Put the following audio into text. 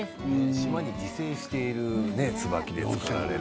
島に自生しているツバキで作られた。